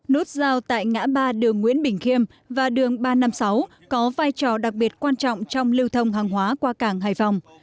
nút giao tại ngã ba đường nguyễn bình khiêm và đường ba trăm năm mươi sáu có vai trò đặc biệt quan trọng trong lưu thông hàng hóa qua cảng hải phòng